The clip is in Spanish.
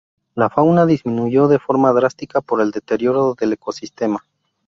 La fauna disminuyó de forma drástica por el deterioro del ecosistema.